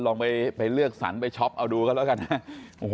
ลองไปเลือกสรรไปช็อปเอาดูกันแล้วกันนะ